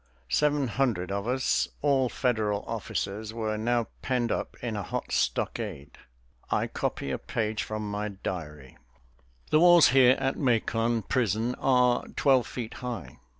Seven hundred of us, all Federal officers, were now penned up in a hot stockade. I copy a page from my diary: "The walls here at Macon prison are twelve feet high.